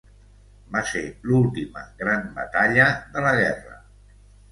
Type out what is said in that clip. Va ser l'última gran batalla de la guerra.